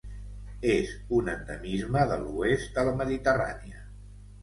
És un endemisme de l'oest de la Mediterrània.